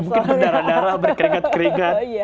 mungkin berdarah darah berkeringat keringat